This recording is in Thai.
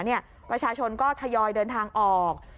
ประชาชนก็ทยอยเดินทางออก